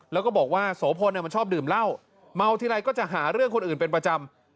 แล้วก็บอกว่าโสพลมันชอบดื่มเหล้าเมาทีไรก็จะหาเรื่องคนอื่นเป็นประจำ